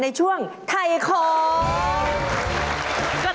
ในช่วงไข่คลอง